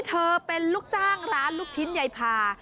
เธอเป็นลูกจ้างร้านลูกชิ้นยายพา